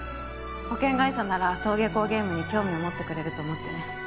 保険会社なら登下校ゲームに興味を持ってくれると思ってね